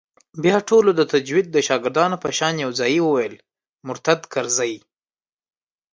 بيا ټولو د تجويد د شاگردانو په شان يو ځايي وويل مرتد کرزى.